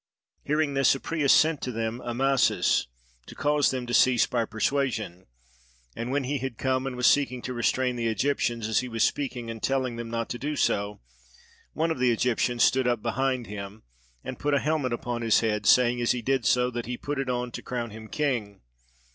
Hearing this Apries sent to them Amasis, to cause them to cease by persuasion; and when he had come and was seeking to restrain the Egyptians, as he was speaking and telling them not to do so, one of the Egyptians stood up behind him and put a helmet upon his head, saying as he did so that he put it on to crown him king.